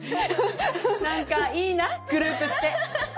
なんかいいなグループって。